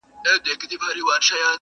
o لاس یې مات وار یې خطا ګذار یې پوچ کړې,